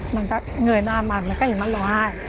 มันก็เงยหน้ามันมันก็เห็นมันร้องไห้